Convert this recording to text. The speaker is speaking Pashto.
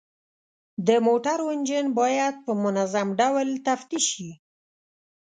د موټرو انجن باید په منظم ډول تفتیش شي.